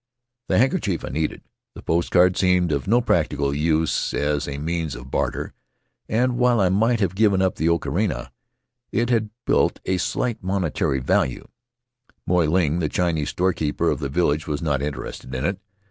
The handkerchief I needed; the post card seemed of no practical use as a means of barter; and, while I might have given up the ocharina, it had but a slight monetary value, and Moy Ling, the Chinese storekeeper of the village, was not interested in it.